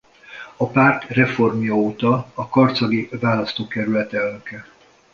A párt reformja óta a karcagi választókerület elnöke.